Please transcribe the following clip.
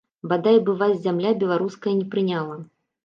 Бадай бы вас зямля беларуская не прыняла!